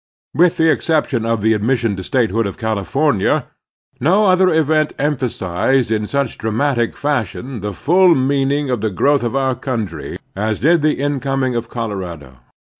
With the ex ception of the admission to statehood of Calif omia, no other event emphasized in such dramatic fash ion the full meaning of the growth of otir country as did the incoming of Colorado.